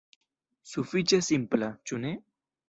Sufiĉe simpla, ĉu ne?